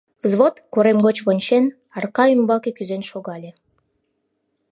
Взвод, корем гоч вончен, арка ӱмбаке кӱзен шогале.